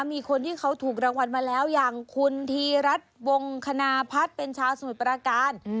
มีคนที่เขาถูกรางวัลมาแล้วอย่างคุณธีรัฐวงคณพัฒน์เป็นชาวสมุทรประการ